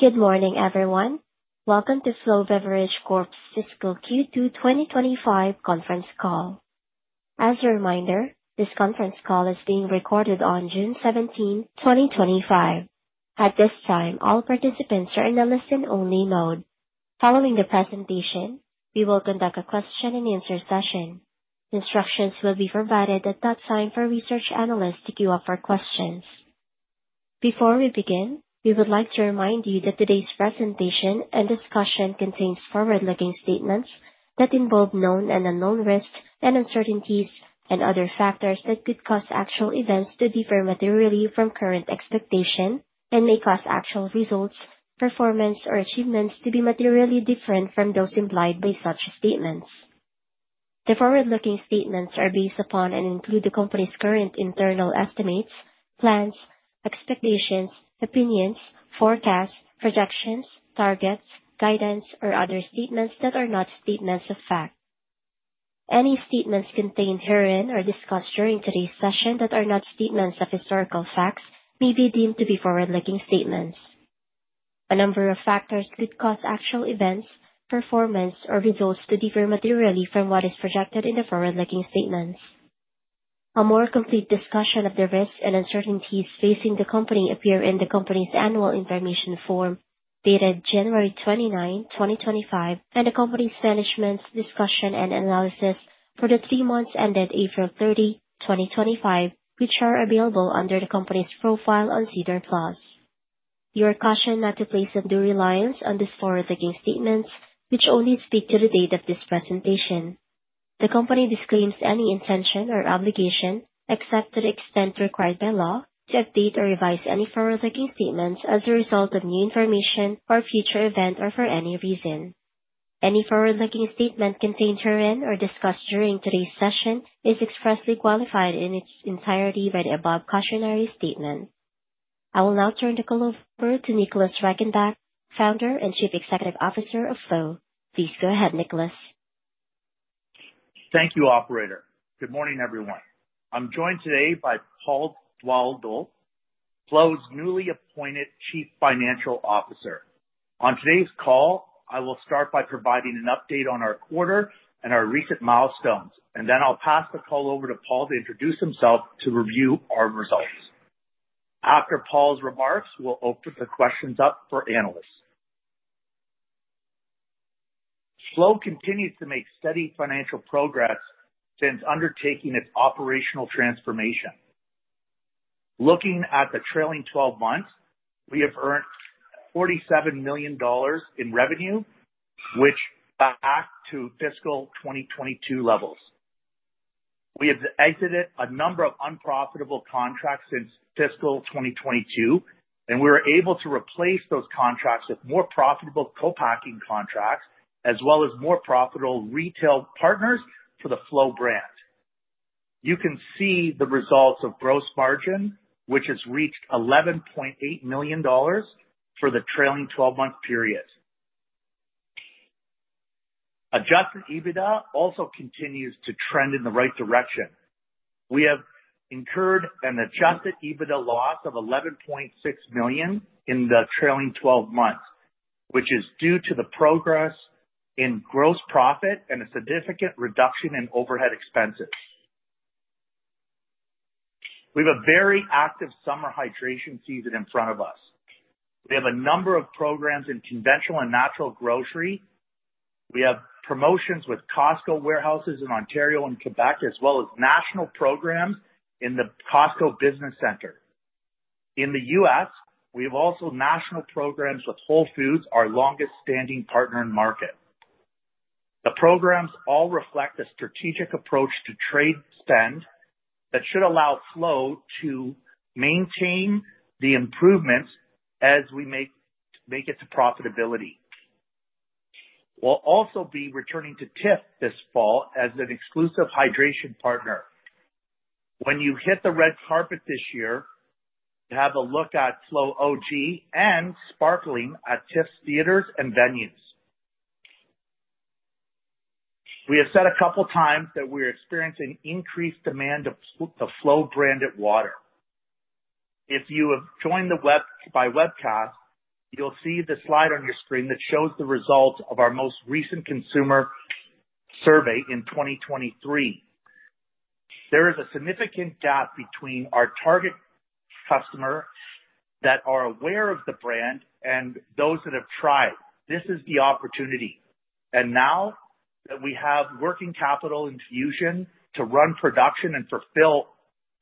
Good morning, everyone. Welcome to Flow Beverage Corp's fiscal Q2 2025 conference call. As a reminder, this conference call is being recorded on June 17, 2025. At this time, all participants are in the listen-only mode. Following the presentation, we will conduct a question-and-answer session. Instructions will be provided at that time for research analysts to queue up for questions. Before we begin, we would like to remind you that today's presentation and discussion contains forward-looking statements that involve known and unknown risks and uncertainties and other factors that could cause actual events to differ materially from current expectations and may cause actual results, performance, or achievements to be materially different from those implied by such statements. The forward-looking statements are based upon and include the company's current internal estimates, plans, expectations, opinions, forecasts, projections, targets, guidance, or other statements that are not statements of fact. Any statements contained herein or discussed during today's session that are not statements of historical facts may be deemed to be forward-looking statements. A number of factors could cause actual events, performance, or results to differ materially from what is projected in the forward-looking statements. A more complete discussion of the risks and uncertainties facing the company appears in the company's annual information form dated January 29, 2025, and the company's management's discussion and analysis for the three months ended April 30, 2025, which are available under the company's profile on SEDAR+. You are cautioned not to place any reliance on these forward-looking statements, which only speak to the date of this presentation. The company disclaims any intention or obligation, except to the extent required by law, to update or revise any forward-looking statements as a result of new information or future events or for any reason. Any forward-looking statement contained herein or discussed during today's session is expressly qualified in its entirety by the above cautionary statement. I will now turn the call over to Nicholas Reichenbach, Founder and Chief Executive Officer of Flow. Please go ahead, Nicholas. Thank you, Operator. Good morning, everyone. I'm joined today by Paul Dowdall, Flow's newly appointed Chief Financial Officer. On today's call, I will start by providing an update on our quarter and our recent milestones, and then I'll pass the call over to Paul to introduce himself to review our results. After Paul's remarks, we'll open the questions up for analysts. Flow continues to make steady financial progress since undertaking its operational transformation. Looking at the trailing 12 months, we have earned 47 million dollars in revenue, which is back to fiscal 2022 levels. We have exited a number of unprofitable contracts since fiscal 2022, and we were able to replace those contracts with more profitable co-packing contracts as well as more profitable retail partners for the Flow brand. You can see the results of gross margin, which has reached 11.8 million dollars for the trailing 12-month period. Adjusted EBITDA also continues to trend in the right direction. We have incurred an adjusted EBITDA loss of 11.6 million in the trailing 12 months, which is due to the progress in gross profit and a significant reduction in overhead expenses. We have a very active summer hydration season in front of us. We have a number of programs in conventional and natural grocery. We have promotions with Costco warehouses in Ontario and Quebec, as well as national programs in the Costco Business Center. In the U.S., we have also national programs with Whole Foods, our longest-standing partner in the market. The programs all reflect a strategic approach to trade spend that should allow Flow to maintain the improvements as we make it to profitability. We'll also be returning to TIFF this fall as an exclusive hydration partner. When you hit the red carpet this year, have a look at Flow OG and Sparkling at TIFF's theaters and venues. We have said a couple of times that we're experiencing increased demand of the Flow branded water. If you have joined the web by webcast, you'll see the slide on your screen that shows the results of our most recent consumer survey in 2023. There is a significant gap between our target customers that are aware of the brand and those that have tried. This is the opportunity. Now that we have working capital infusion to run production and fulfill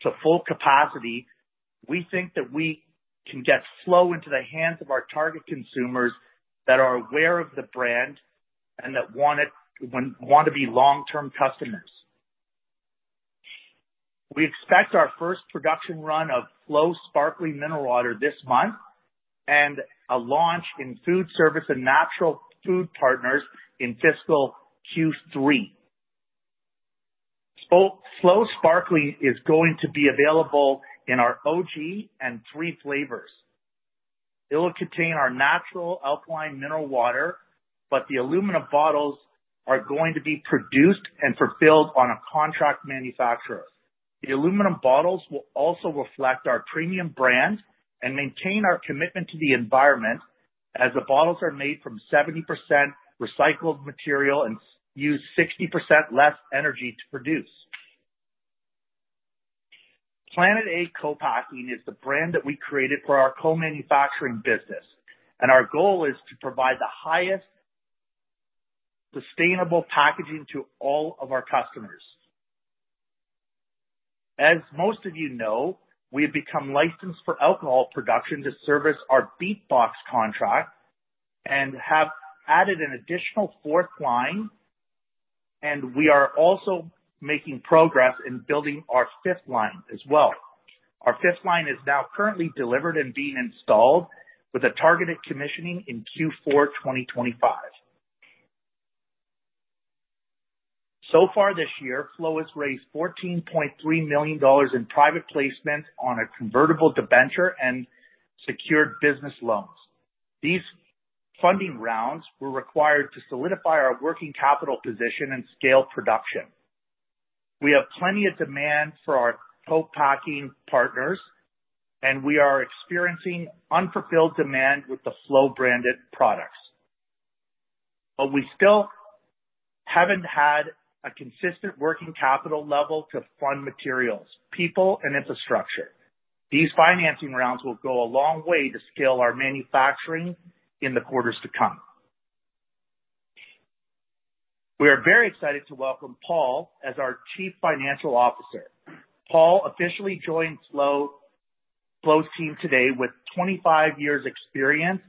to full capacity, we think that we can get Flow into the hands of our target consumers that are aware of the brand and that want to be long-term customers. We expect our first production run of Flow Sparkling Mineral Water this month and a launch in food service and natural food partners in fiscal Q3. Flow Sparkling is going to be available in our OG and three flavors. It will contain our natural alkaline mineral water, but the aluminum bottles are going to be produced and fulfilled on a contract manufacturer. The aluminum bottles will also reflect our premium brand and maintain our commitment to the environment as the bottles are made from 70% recycled material and use 60% less energy to produce. Planet A Co-Packing is the brand that we created for our co-manufacturing business, and our goal is to provide the highest sustainable packaging to all of our customers. As most of you know, we have become licensed for alcohol production to service our BeatBox contract and have added an additional fourth line, and we are also making progress in building our fifth line as well. Our fifth line is now currently delivered and being installed with a targeted commissioning in Q4 2025. So far this year, Flow has raised 14.3 million dollars in private placements on a convertible debenture and secured business loans. These funding rounds were required to solidify our working capital position and scale production. We have plenty of demand for our co-packing partners, and we are experiencing unfulfilled demand with the Flow branded products. We still have not had a consistent working capital level to fund materials, people, and infrastructure. These financing rounds will go a long way to scale our manufacturing in the quarters to come. We are very excited to welcome Paul as our Chief Financial Officer. Paul officially joined Flow's team today with 25 years' experience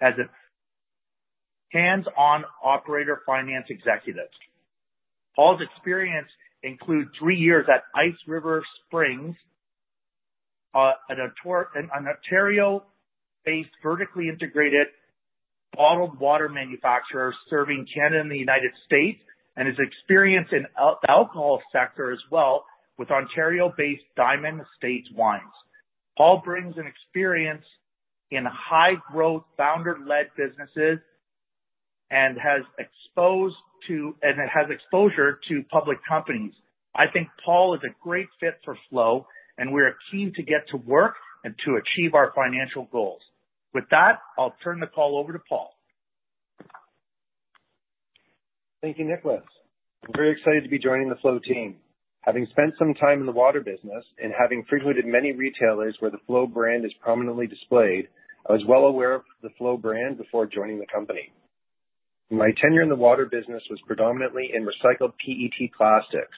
as a hands-on operator finance executive. Paul's experience includes three years at Ice River Springs in Ontario, a vertically integrated bottled water manufacturer serving Canada and the United States, and his experience in the alcohol sector as well with Ontario-based Diamond Estates Wines. Paul brings an experience in high-growth founder-led businesses and has exposure to public companies. I think Paul is a great fit for Flow, and we are keen to get to work and to achieve our financial goals. With that, I'll turn the call over to Paul. Thank you, Nicholas. I'm very excited to be joining the Flow team. Having spent some time in the water business and having frequented many retailers where the Flow brand is prominently displayed, I was well aware of the Flow brand before joining the company. My tenure in the water business was predominantly in recycled PET plastics,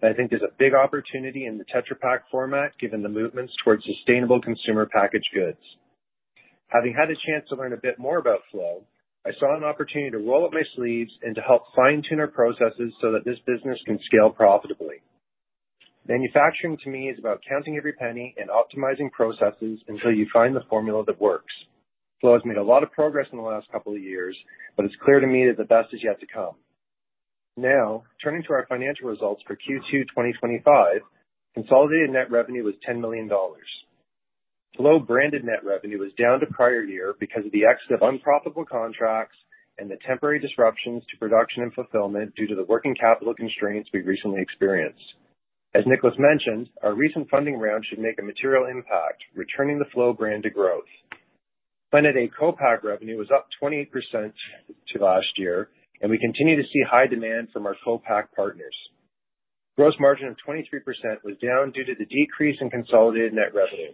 and I think there's a big opportunity in the Tetra Pak format given the movements towards sustainable consumer packaged goods. Having had a chance to learn a bit more about Flow, I saw an opportunity to roll up my sleeves and to help fine-tune our processes so that this business can scale profitably. Manufacturing, to me, is about counting every penny and optimizing processes until you find the formula that works. Flow has made a lot of progress in the last couple of years, but it's clear to me that the best is yet to come. Now, turning to our financial results for Q2 2025, consolidated net revenue was 10 million dollars. Flow branded net revenue was down to prior year because of the exit of unprofitable contracts and the temporary disruptions to production and fulfillment due to the working capital constraints we recently experienced. As Nicholas mentioned, our recent funding round should make a material impact, returning the Flow brand to growth. Planet A co-pack revenue was up 28% to last year, and we continue to see high demand from our co-pack partners. Gross margin of 23% was down due to the decrease in consolidated net revenue.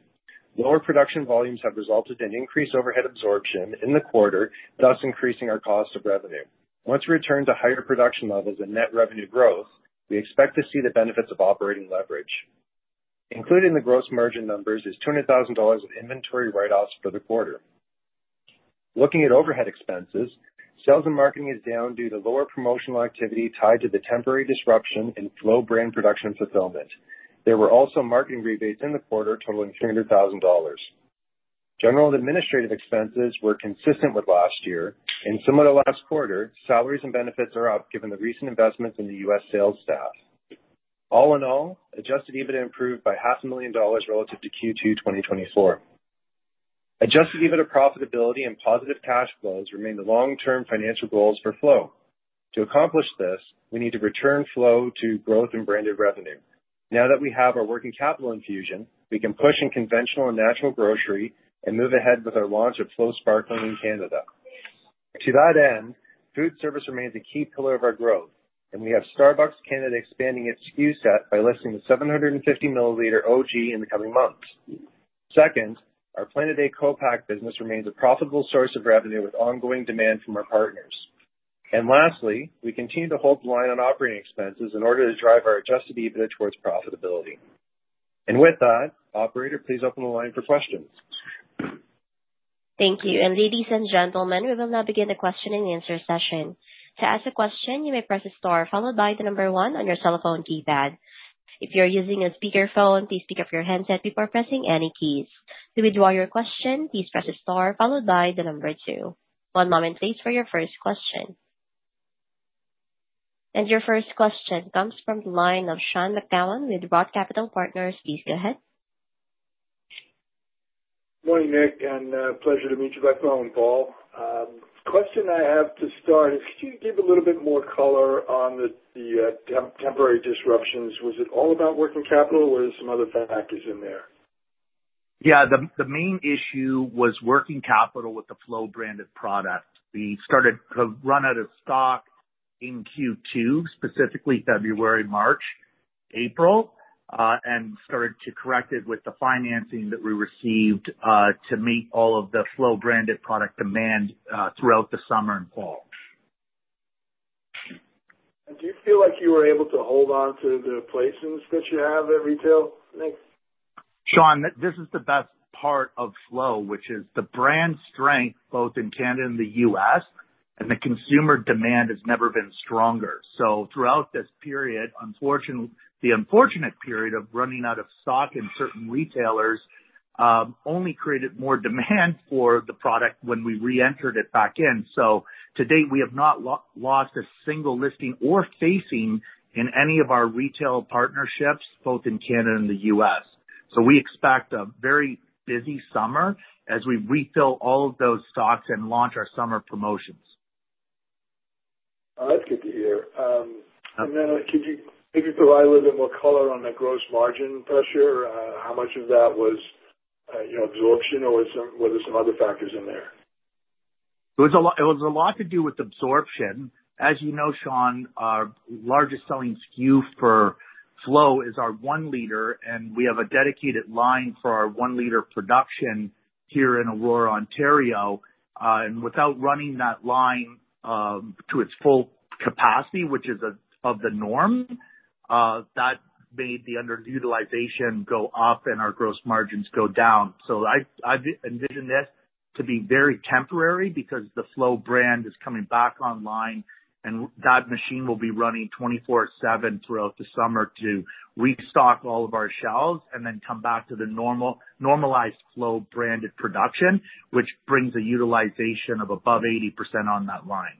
Lower production volumes have resulted in increased overhead absorption in the quarter, thus increasing our cost of revenue. Once we return to higher production levels and net revenue growth, we expect to see the benefits of operating leverage. Included in the gross margin numbers is 200,000 dollars of inventory write-offs for the quarter. Looking at overhead expenses, sales and marketing is down due to lower promotional activity tied to the temporary disruption in Flow brand production fulfillment. There were also marketing rebates in the quarter totaling 300,000 dollars. General administrative expenses were consistent with last year. In similar to last quarter, salaries and benefits are up given the recent investments in the U.S. sales staff. All in all, adjusted EBITDA improved by 500,000 dollars relative to Q2 2024. Adjusted EBITDA profitability and positive cash flows remain the long-term financial goals for Flow. To accomplish this, we need to return Flow to growth and branded revenue. Now that we have our working capital infusion, we can push in conventional and natural grocery and move ahead with our launch of Flow Sparkling in Canada. To that end, food service remains a key pillar of our growth, and we have Starbucks Canada expanding its SKU set by listing the 750 ml OG in the coming months. Second, our Planet A co-pack business remains a profitable source of revenue with ongoing demand from our partners. Lastly, we continue to hold the line on operating expenses in order to drive our adjusted EBITDA towards profitability. With that, Operator, please open the line for questions. Thank you. Ladies and gentlemen, we will now begin the question and answer session. To ask a question, you may press star followed by the number one on your cell phone keypad. If you're using a speakerphone, please pick up your headset before pressing any keys. To withdraw your question, please press star followed by the number two. One moment please for your first question. Your first question comes from the line of Sean McGowan with Roth Capital Partners. Please go ahead. Good morning, Nic, and pleasure to meet you by phone, Paul. The question I have to start is, could you give a little bit more color on the temporary disruptions? Was it all about working capital or were there some other factors in there? Yeah, the main issue was working capital with the Flow branded product. We started to run out of stock in Q2, specifically February, March, April, and started to correct it with the financing that we received to meet all of the Flow branded product demand throughout the summer and fall. Do you feel like you were able to hold on to the placements that you have at retail, Nic? Sean, this is the best part of Flow, which is the brand strength both in Canada and the U.S., and the consumer demand has never been stronger. Throughout this period, the unfortunate period of running out of stock in certain retailers only created more demand for the product when we re-entered it back in. To date, we have not lost a single listing or facing in any of our retail partnerships both in Canada and the U.S. We expect a very busy summer as we refill all of those stocks and launch our summer promotions. That's good to hear. Could you give us a high level of color on the gross margin pressure? How much of that was absorption, or were there some other factors in there? It was a lot to do with absorption. As you know, Sean, our largest selling SKU for Flow is our 1 L, and we have a dedicated line for our 1 L production here in Aurora, Ontario. Without running that line to its full capacity, which is of the norm, that made the underutilization go up and our gross margins go down. I envision this to be very temporary because the Flow brand is coming back online, and that machine will be running 24/7 throughout the summer to restock all of our shelves and then come back to the normalized Flow branded production, which brings a utilization of above 80% on that line.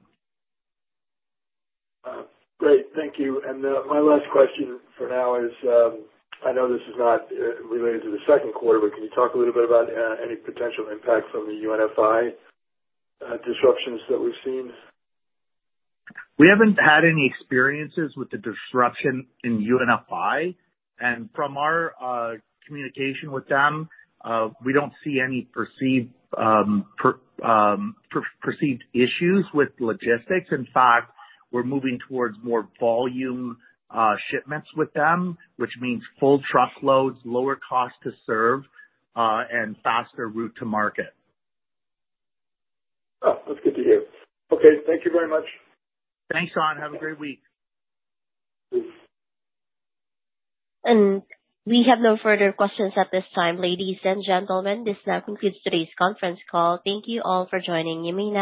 Great. Thank you. My last question for now is, I know this is not related to the second quarter, but can you talk a little bit about any potential impact from the UNFI disruptions that we've seen? We haven't had any experiences with the disruption in UNFI. From our communication with them, we don't see any perceived issues with logistics. In fact, we're moving towards more volume shipments with them, which means full truckloads, lower cost to serve, and faster route to market. Oh, that's good to hear. Okay. Thank you very much. Thanks, Sean. Have a great week. We have no further questions at this time. Ladies and gentlemen, this now concludes today's conference call. Thank you all for joining. You may.